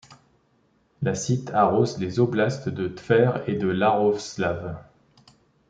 La Sit arrose les oblasts de Tver et Iaroslavl.